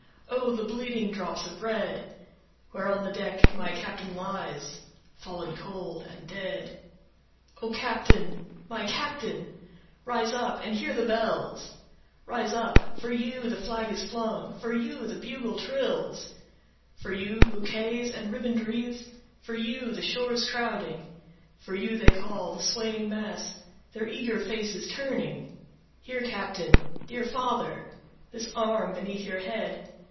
5 O the bleeding drops of red! Where on the deck my Captain lies, Fallen cold and dead. O Captain! my Captain! rise up and hear the bells; Rise up—for you the flag is flung—for you the bugle trills, 10 For you bouquets and ribbon'd wreaths—for you the shores crowding, For you they call, the swaying mass, their eager faces turning; Here, Captain! dear father! This arm beneath your head!